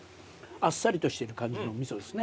あっさりとしてる感じの味噌ですね。